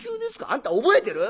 あんた覚えてる？